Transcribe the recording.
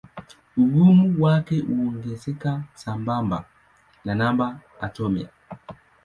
Ugumu wake huongezeka sambamba na namba atomia.